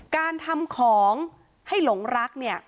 การทำของให้หลงรักเนี่ย